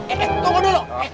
eh tunggu dulu